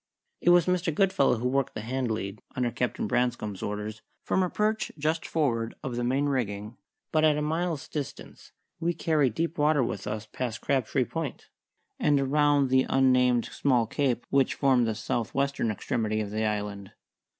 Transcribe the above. It was Mr. Goodfellow who worked the hand lead, under Captain Branscome's orders, from a perch just forward of the main rigging; but at a mile's distance we carried deep water with us past Crabtree Point, and around the unnamed small cape which formed the south western extremity of the island.